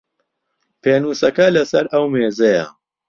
پێنووسەکە لە سەر ئەو مێزەیە.